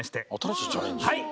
はい。